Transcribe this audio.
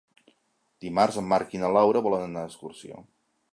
Dimarts en Marc i na Laura volen anar d'excursió.